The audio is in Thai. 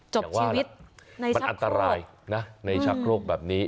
จบชีวิตในชักโครกมันอันตรายนะในชักโครกแบบนี้